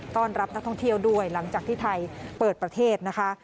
ต้อนรับนักท่องเที่ยวด้วยหลังจากที่ไทยเปิดประเทศนะคะ